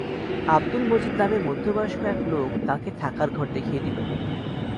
আব্দুল মজিদ নামের মধ্যবয়স্ক এক লোক তাঁকে থাকার ঘর দেখিয়েদিল।